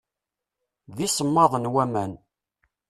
D isemmaḍen waman.